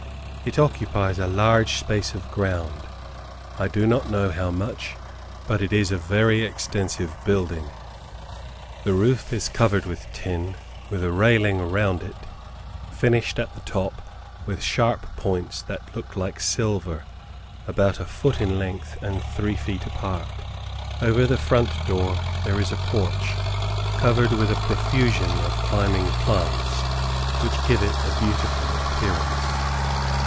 It occupies a large space of ground, I do not know how much, but it is a very extensive building. The roof is covered with tin, with a railing around it, finished at the top with sharp points that look like silver, about a foot in length, and three feet apart. Over the front door there is a porch covered with a profusion of climbing plants, which give it a beautiful appearance.